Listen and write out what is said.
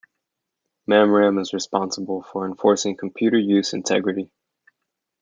Mamram is responsible for enforcing computer use integrity.